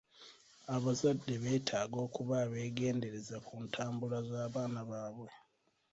Abazadde beetaaga okuba abeegendereza ku ntambula z'abaana baabwe.